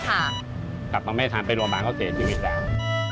เผิดวงมาให้ถามไปรวมบ้านเขาเสียชีวิตแล้ว